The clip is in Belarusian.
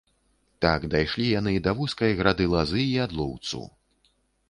Так дайшлі яны да вузкай грады лазы і ядлоўцу.